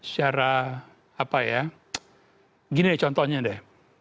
secara apa ya gini deh contohnya deh